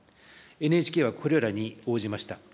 ＮＨＫはこれらに応じました。